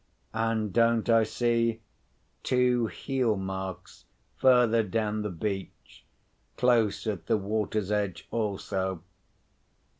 And don't I see two heel marks further down the beach, close at the water's edge also?